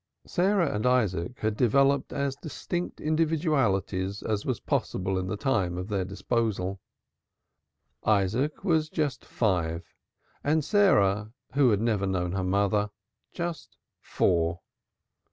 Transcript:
Sarah and Isaac had developed as distinct individualities as was possible in the time at their disposal. Isaac was just five and Sarah who had never known her mother just four.